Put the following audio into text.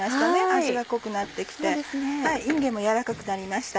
味が濃くなって来ていんげんも軟らかくなりました。